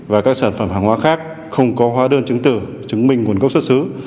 và các sản phẩm hàng hóa khác không có hóa đơn chứng tử chứng minh nguồn gốc xuất xứ